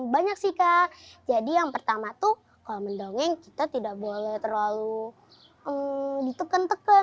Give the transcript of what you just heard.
banyak sih kak jadi yang pertama tuh kalau mendongeng kita tidak boleh terlalu dituken teken